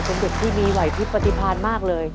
เป็นเด็กที่มีไหวพิษปฏิพันธ์มากเลย